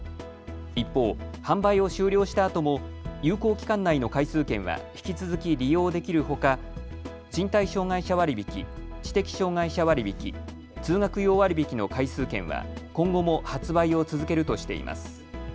一方、販売を終了したあとも有効期間内の回数券は引き続き利用できるほか、身体障害者割引、知的障害者割引、通学用割引の回数券は今後も発売を続けるとしています。